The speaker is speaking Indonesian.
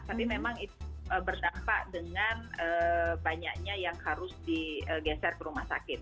tapi memang itu berdampak dengan banyaknya yang harus digeser ke rumah sakit